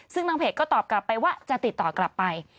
ซึ่งทางเพจก็ตอบกลับไปว่าจะติดต่อกลับไป